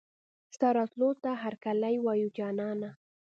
ستا راتلو ته هرکلی وايو جانانه